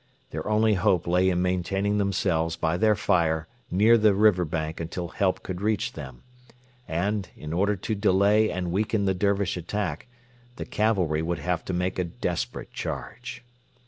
Their only hope lay in maintaining themselves by their fire near the river bank until help could reach them, and, in order to delay and weaken the Dervish attack the cavalry would have to make a desperate charge.